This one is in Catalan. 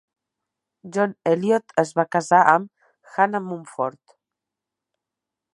John Eliot es va casar amb Hanna Mumford.